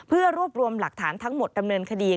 และตามหลักฐานทั้งหมดดำเนินคดี